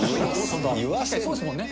そうですもんね。